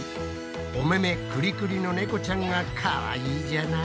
おめめクリクリの猫ちゃんがかわいいじゃない。